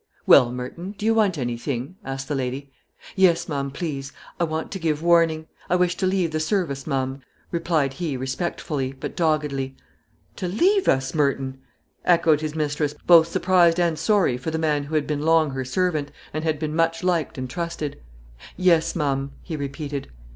"Well, Merton, do you want anything?" asked the lady. "Yes, ma'am, please, I want to give warning; I wish to leave the service, ma'am;" replied he, respectfully, but doggedly. "To leave us, Merton!" echoed his mistress, both surprised and sorry for the man had been long her servant, and had been much liked and trusted. "Yes, ma'am," he repeated.